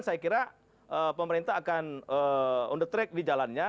saya kira pemerintah akan on the track di jalannya